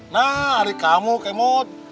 nah hari kamu kemot